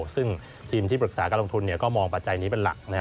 ซึ่งทีมที่ปรึกษาการลงทุนก็มองปัจจัยนี้เป็นหลัก